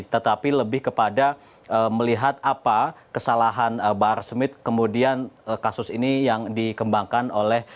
tetapi lebih kepada melihat apa kesalahan bahar smith kemudian kasus ini yang dikembangkan oleh